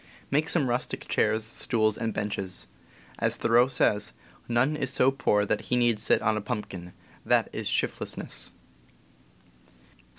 Make some rustic chairs, stools, and benches. As Thoreau says, "None is so poor that he need sit on a pumpkin — that is shiftlessness."